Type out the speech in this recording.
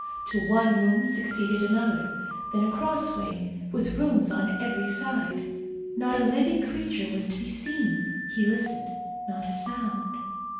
To one room succeeded another. Then a crossway, with rooms on every side. Not a living creature was to be seen. He listened. Not a sound.